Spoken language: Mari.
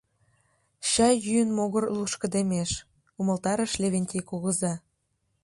Чай йӱын могыр лушкыдемеш, умылтарыш Левентей кугыза.